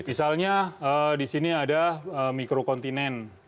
misalnya di sini ada mikrokontinen